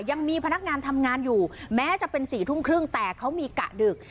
ยังมีพนักงานทำงานอยู่แม้จะเป็น๔ทุ่มครึ่งแต่เขามีกะดึก